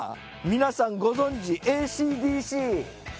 皆さんご存じＡＣ／ＤＣ。